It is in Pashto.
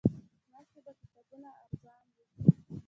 مخکې به کتابونه ارزان وو